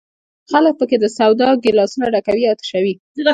خلک په کې د سودا ګیلاسونه ډکوي او تشوي.